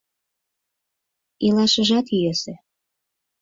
Илашыжат йӧсӧ.